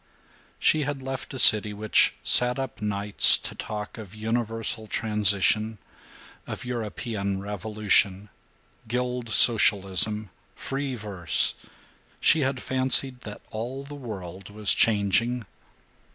II She had left a city which sat up nights to talk of universal transition; of European revolution, guild socialism, free verse. She had fancied that all the world was changing.